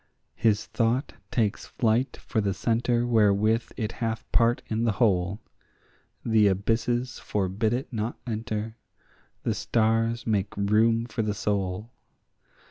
His thought takes flight for the centre wherethrough it hath part in the whole; The abysses forbid it not enter: the stars make room for the soul.